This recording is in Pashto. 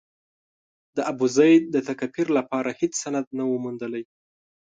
د ابوزید د تکفیر لپاره هېڅ سند نه و موندلای.